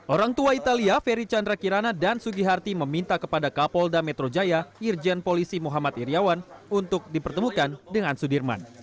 orang tua italia ferry chandra kirana dan sugiharti meminta kepada kapolda metro jaya irjen polisi muhammad iryawan untuk dipertemukan dengan sudirman